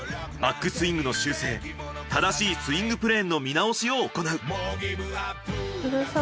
バックスイングの修正正しいスイングプレーンの見直しを行う。